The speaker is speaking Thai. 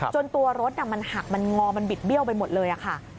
ตัวรถมันหักมันงอมันบิดเบี้ยวไปหมดเลยค่ะ